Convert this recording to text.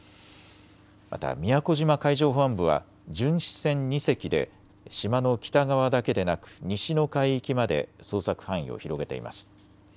また宮古島海上保安部は巡視船２隻で島の北側だけでなく西の海域まで捜索範囲を広げています。